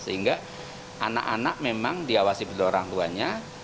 sehingga anak anak memang diawasi oleh orang tuanya